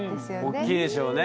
おっきいでしょうね。